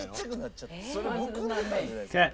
それむくんでたんじゃないですか？